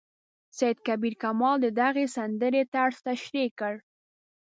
سید کبیر کمال د دغې سندرې طرز تشریح کړ.